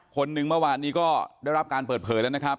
คนหนึ่งเมื่อวานนี้ก็ได้รับการเปิดเผยแล้วนะครับ